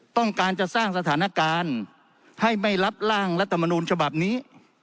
ต้องการจะสร้างสถานการณ์ให้ไม่รับร่างรัฐมนูลฉบับนี้